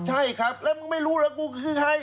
ใช่ครับแล้วมึงไม่รู้แล้วกูคือใคร